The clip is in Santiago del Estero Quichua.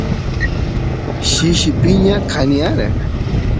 shishi piña kaniyara